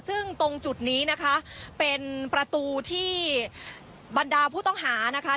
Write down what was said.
ซึ่งตรงจุดนี้นะคะเป็นประตูที่บรรดาผู้ต้องหานะคะ